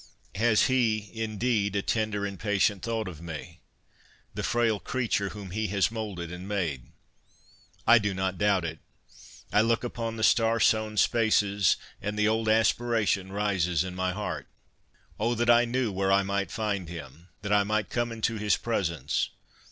Has He, indeed, a tender and patient thought of me, the frail creature whom He has moulded and made ? I do not doubt it ; I look upon the star sown spaces, and the old aspira tion rises in my heart, ' Oh, that I knew where I might find Him ! that I might come into His pres ence